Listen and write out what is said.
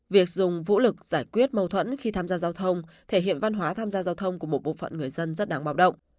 việc dùng vũ lực giải quyết mâu thuẫn khi tham gia giao thông thể hiện văn hóa tham gia giao thông của một bộ phận người dân rất đáng báo động